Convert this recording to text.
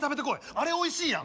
あれおいしいやん！